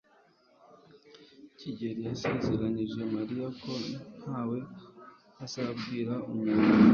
Kigeri yasezeranyije Mariya ko ntawe azabwira umuntu.